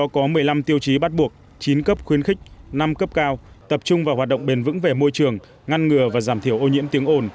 năm cấp cao tập trung vào hoạt động bền vững về môi trường ngăn ngừa và giảm thiểu ô nhiễm tiếng ồn